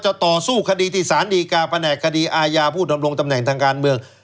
ต่อสู้คดีที่สารดีกาแผนกคดีอาญาผู้ดำรงตำแหน่งทางการเมือง